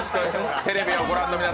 テレビをご覧の皆様